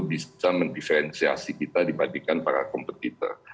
bisa mendiferensiasi kita dibandingkan para kompetitor